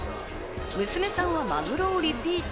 娘さんはマグロをリピート。